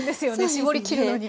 搾りきるのに。